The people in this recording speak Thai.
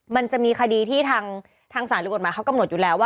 มันจะมีคดีที่ทางสารสนุกกฏหมายกำหนดอยู่แล้ว